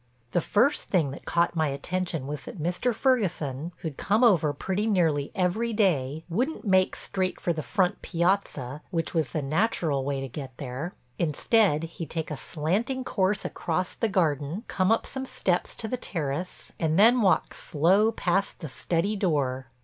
The first thing that caught my attention was that Mr. Ferguson, who'd come over pretty nearly every day, wouldn't make straight for the front piazza which was the natural way to get there. Instead he'd take a slanting course across the garden, come up some steps to the terrace, and then walk slow past the study door.